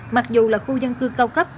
mặc dù là khu dân cư cao cấp